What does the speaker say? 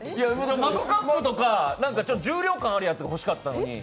マグカップとか重量感あるやつが欲しかったのに。